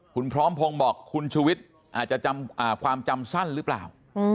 คุณพร้อมพงศ์บอกคุณชุวิตอาจจะจำความจำสั้นหรือเปล่า